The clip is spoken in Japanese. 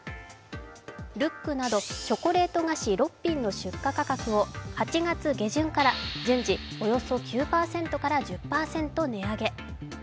ＬＯＯＫなどチョコレート菓子６品の出荷価格を８月下旬から順次およそ９％から１０％値上げ。